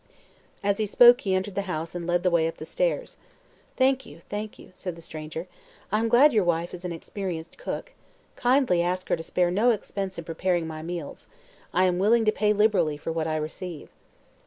As he spoke he entered the house and led the way up the stairs. "Thank you; thank you," said the stranger. "I am glad your good wife is an experienced cook. Kindly ask her to spare no expense in preparing my meals. I am willing to pay liberally for what I receive."